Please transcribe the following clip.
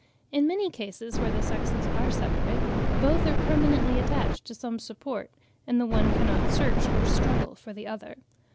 In many cases where the sexes are separate, both are permanently attached to some support, and the one cannot search or struggle for the other.